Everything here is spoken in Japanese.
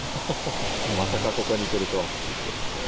まさかここに来るとは。